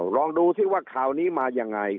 ลองดูซิว่าข่าวนี้มายังไง